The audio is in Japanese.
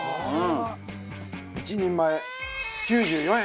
１人前９４円。